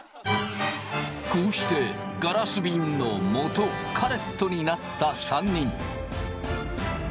こうしてガラスびんのもとカレットになった３人。